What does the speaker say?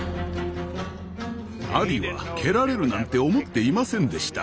アリは蹴られるなんて思っていませんでした。